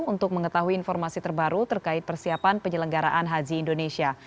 untuk mengetahui informasi terbaru terkait persiapan penyelenggaraan haji indonesia